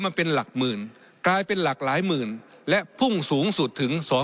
สุภาพเยี่ยมอยากเป็นชาติของทุกส่วน